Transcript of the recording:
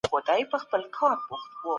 کیدای شي د کتاب لوستل وي.